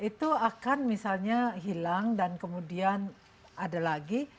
itu akan misalnya hilang dan kemudian ada lagi